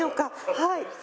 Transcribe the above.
はい。